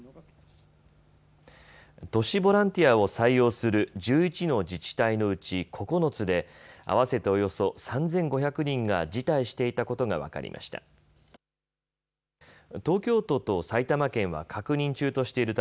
都市ボランティアを採用する１１の自治体のうち９つで合わせておよそ３５００人が辞退していたことが分かりました。